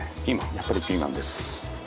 やっぱりピーマンです。